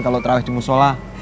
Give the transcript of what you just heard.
kalau terawih di musola